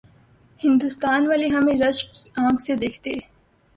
ہندوستان والے ہمیں رشک کی آنکھ سے دیکھتے۔